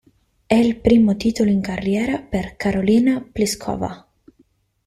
È il primo titolo in carriera per Karolína Plíšková.